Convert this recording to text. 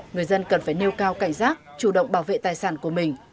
người dân cần phải nêu cao cảnh giác chủ động bảo vệ tài sản của mình